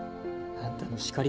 あんたの叱り